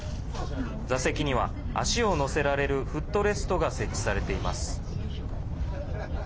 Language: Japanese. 座席には足を乗せられるフットレストが設置されています。